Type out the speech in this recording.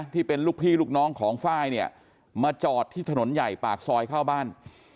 ที่เป็นลูกพี่ลูกน้องของไฟล์เนี่ยมาจอดที่ถนนใหญ่ปากซอยเข้าบ้าน